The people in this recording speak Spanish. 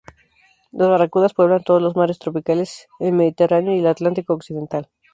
Las barracudas pueblan todos los mares tropicales, el Mediterráneo y el Atlántico occidental.